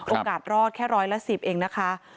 โอกาสรอดแค่ร้อยละสิบเองนะคะ